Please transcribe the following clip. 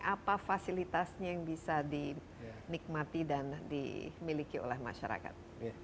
apa fasilitasnya yang bisa dinikmati dan dimiliki oleh masyarakat